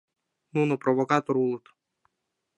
- Нуно провокатор улыт!